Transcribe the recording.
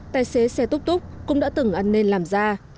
tài xế xe túc túc cũng đã từng ăn nên làm ra